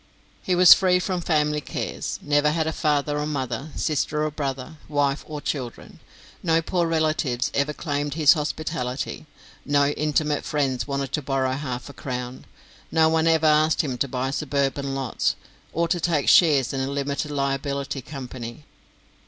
He was free from family cares never had father or mother, sister or brother, wife or children. No poor relatives ever claimed his hospitality; no intimate friends wanted to borrow half a crown; no one ever asked him to buy suburban lots, or to take shares in a limited liability company.